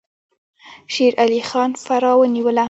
شیر علي خان فراه ونیوله.